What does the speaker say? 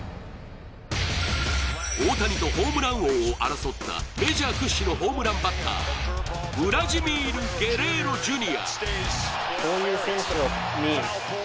大谷とホームラン王を争ったメジャー屈指のホームランバッター、ウラジミール・ゲレーロＪｒ。